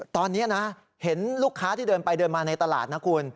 ตอนนี้นะเห็นลูกค้าที่เดินไปเดินมาในตลาดนะคุณ